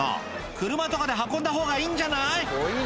車とかで運んだ方がいいんじゃない？